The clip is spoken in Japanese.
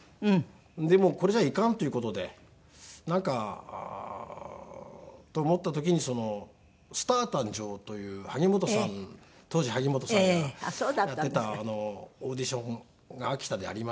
でもうこれじゃいかんという事でなんかと思った時に『スター誕生！』という萩本さん当時萩本さんがやってたオーディションが秋田でありまして。